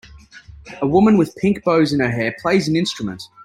A woman with pink bows in her hair plays an instrument.